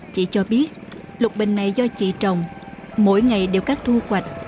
chị cho biết lục bình này do chị trồng mỗi ngày đều cắt thu quạch